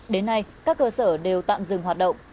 đến nay các cơ sở đều tạm dừng hoạt động